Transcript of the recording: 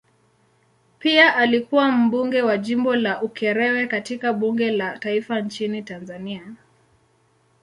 Pia alikuwa mbunge wa jimbo la Ukerewe katika bunge la taifa nchini Tanzania.